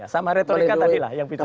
sama retorika tadi lah yang bicara pak esby